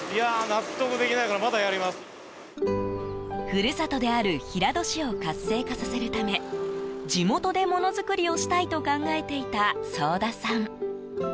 故郷である平戸市を活性化させるため地元で、ものづくりをしたいと考えていた早田さん。